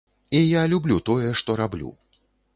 І я люблю тое, што раблю.